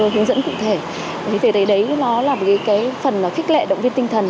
hướng dẫn cụ thể thế đấy nó là cái phần khích lệ động viên tinh thần